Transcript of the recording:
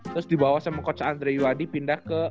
terus dibawa sama coach andre yuhadi pindah ke